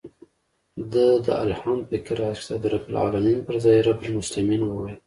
ده د الحمد په قرائت کښې د رب العلمين پر ځاى رب المسلمين وويل.